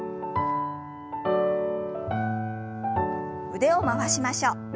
腕を回しましょう。